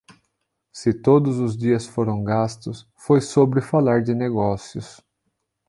Se todos os dias foram gastos, foi sobre falar de negócios.